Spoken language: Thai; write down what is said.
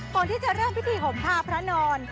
ก่อนที่จะเริ่มพิธีห่มผ้านอน